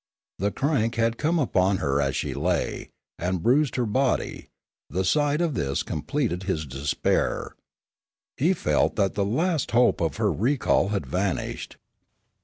The crank had come upon her as she lay, and bruised her body; the sight of this completed his despair; he felt that the last hope of her recall had vanished.